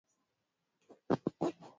mahojiano yanategemea sana uhakika wa hadhira